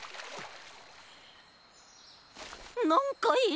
なんかいる！